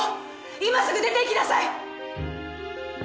今すぐ出て行きなさい！